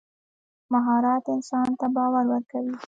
مهارت انسان ته باور ورکوي.